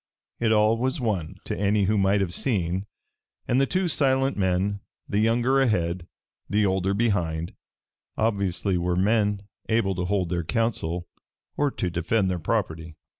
It all was one to any who might have seen, and the two silent men, the younger ahead, the older behind, obviously were men able to hold their counsel or to defend their property.